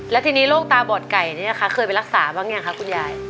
แล้วทีนี้โรคตาบอดไก่นี่นะคะเคยไปรักษาบ้างยังคะคุณยาย